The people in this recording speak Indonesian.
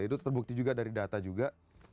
itu terbukti juga dari data juga